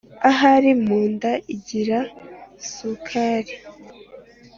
Ahari mu nda igira sukari!